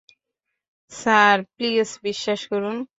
Sir, please বিশ্বাস করুন।